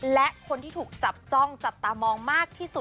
และคนที่ถูกจับจ้องจับตามองมากที่สุด